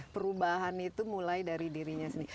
perubahan itu mulai dari dirinya sendiri